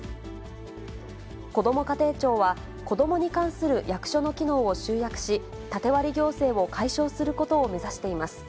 こども家庭庁は、子どもに関する役所の機能を集約し、縦割り行政を解消することを目指しています。